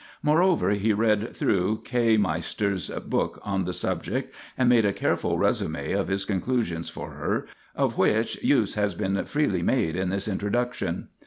Moreover, he read through K. Meister's book on the subject and made a careful resume of his conclusions for her, of which use has been freely made in this Introduction.